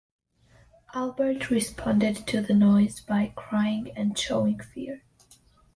Albert responded to the noise by crying and showing fear.